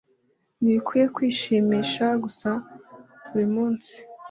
Nibikwiye kwishimisha gusa buri munsu=i